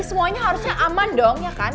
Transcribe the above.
semuanya harusnya aman dong ya kan